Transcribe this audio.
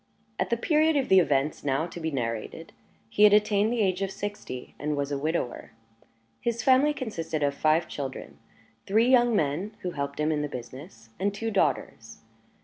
At the period of the events now to be narrated, he had attained the age of sixty, and was a widower. His family consisted of five children three young men, who helped him in the business, and two daughters.